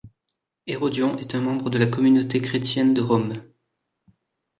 Hérodion est un membre de la communauté chrétienne de Rome.